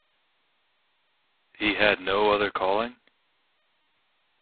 He had no other calling?